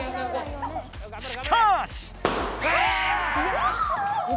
しかし！